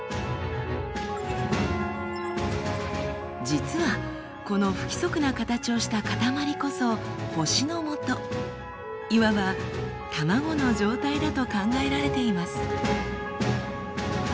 実はこの不規則な形をしたかたまりこそ星のもといわばタマゴの状態だと考えられています。